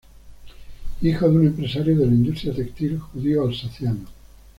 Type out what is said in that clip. Hijo de un empresario de la industria textil judío alsaciano.